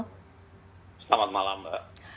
selamat malam mbak